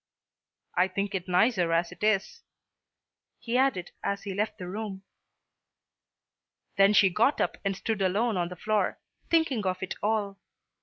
"I think it nicer as it is," he added as he left the room. Then she got up and stood alone on the floor, thinking of it all.